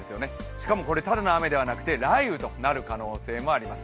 しかもこれ、ただの雨ではなくて雷雨となる可能性があります。